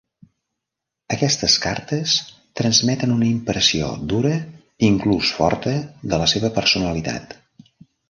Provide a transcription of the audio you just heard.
Aquestes cartes transmeten una impressió dura, inclús forta, de la seva personalitat.